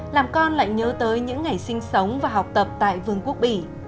làm con lại nhớ tới những ngày sinh sống và học tập tại vương quốc bỉ